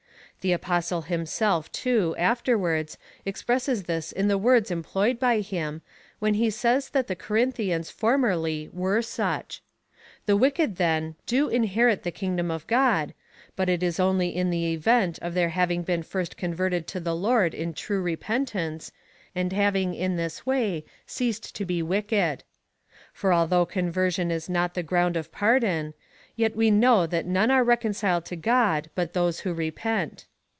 The Apostle himself, too, afterwards expresses this in the words employed by him, when he says that the Corinthians formerly were such. The wicked, then, do inherit the kingdom of God, but it is only in the event of their having been first converted to the Lord in true repentance, and having in this way ceased to be wicked. For although conversion is not the ground of pardon, yet we know that none are reconciled to God but those who repent.